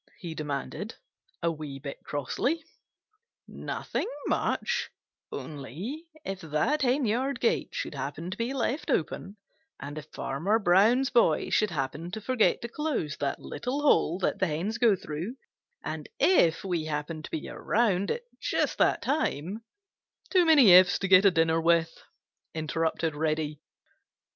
he demanded a wee bit crossly. "Nothing much, only if that hen yard gate should happen to be left open, and if Farmer Brown's boy should happen to forget to close that little hole that the hens go through, and if we happened to be around at just that time—" "Too many ifs to get a dinner with," interrupted Reddy.